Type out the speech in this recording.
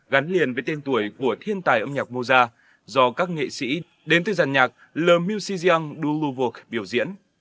gắn liền với tên tuổi của thiên tài âm nhạc moza do các nghệ sĩ đến từ dàn nhạc le musique du louvre biểu diễn